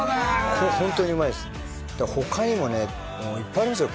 これホントにうまいです他にもねいっぱいありますよ